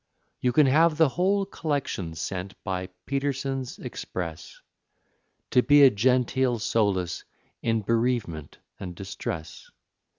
You can have the whole collection sent by Peterson's express, To be a genteel solace in bereavement and distress.